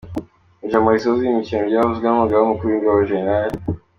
Mu ijambo risoza iyi mikino ryavuzwe n’umugaba mukuru w’ingabi Gen.